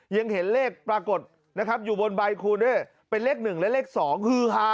ยังเห็นเลขปรากฏอยู่บนใบคูณศ์เป็นเลข๑และเลข๒